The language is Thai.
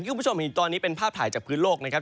คุณผู้ชมเห็นตอนนี้เป็นภาพถ่ายจากพื้นโลกนะครับ